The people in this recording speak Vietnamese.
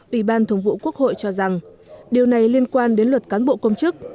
ủy ban thường vụ quốc hội cho rằng điều này liên quan đến luật cán bộ công chức